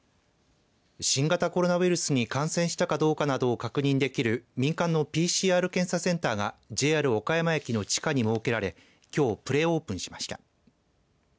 新型コロナウイルスに感染したかどうかなどを確認できる民間のＰＣＲ検査センターがＪＲ岡山駅の地下に設けられきょう、プレオープンしました。